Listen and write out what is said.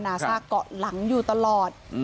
นาซาก็หลังอยู่ตลอด